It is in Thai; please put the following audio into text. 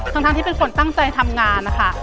ทั้งที่เป็นคนตั้งใจทำงานนะคะ